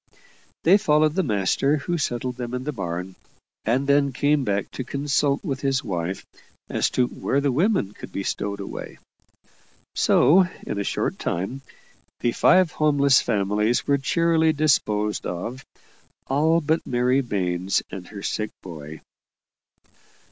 They followed the master, who settled them in the barn; and then came back to consult with his wife as to where the women could be stowed away. So, in a short time, the five homeless families were cheerily disposed of all but Mary Baines and her sick boy.